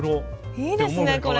いいですねこれ。